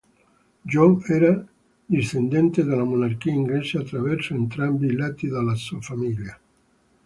John era un discendente della monarchia inglese attraverso entrambi i lati della sua famiglia.